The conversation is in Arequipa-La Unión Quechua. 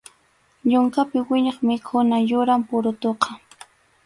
Yunkapi wiñaq mikhuna yuram purutuqa.